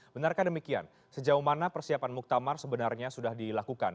benarkah demikian sejauh mana persiapan muktamar sebenarnya sudah dilakukan